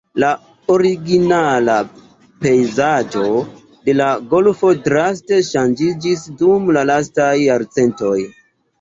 La originala pejzaĝo de la golfo draste ŝanĝiĝis dum la lastaj jarcentoj.